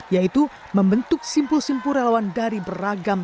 yaitu membentuk simpul simpul relawan dari beragam